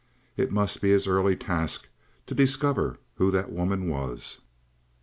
It must be his early task to discover who that woman was.